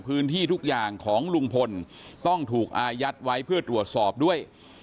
ทุกอย่างของลุงพลต้องถูกอายัดไว้เพื่อตรวจสอบด้วย